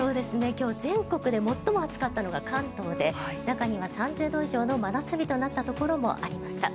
今日全国で最も暑かったのが関東で中には３０度以上の真夏日になったところもありました。